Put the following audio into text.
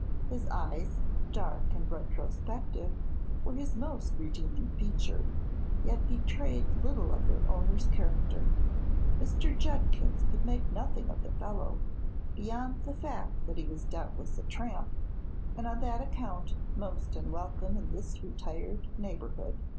His eyes, dark and retrospective, were his most redeeming feature, yet betrayed little of their owner's character. Mr. Judkins could make nothing of the fellow, beyond the fact that he was doubtless a "tramp" and on that account most unwelcome in this retired neighborhood.